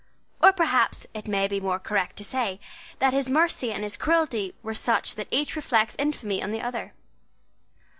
Or perhaps it may be more correct to say that his mercy and his cruelty were such that each reflects infamy on the other.